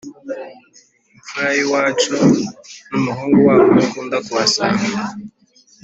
ipfura yiwacu numuhungu wawundi ukunda kuhasanga